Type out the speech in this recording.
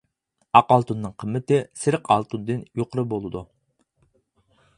ئاق ئالتۇننىڭ قىممىتى سېرىق ئالتۇندىن يۇقىرى بولىدۇ.